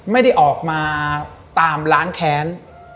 ไม่ได้ออกมาตามล้างแค้น